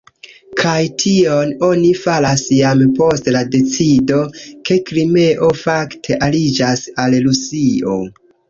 Kaj tion oni faras jam post la decido, ke Krimeo fakte aliĝas al Rusio.